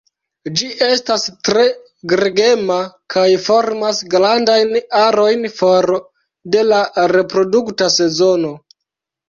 Ĝi estas tre gregema kaj formas grandajn arojn for de la reprodukta sezono.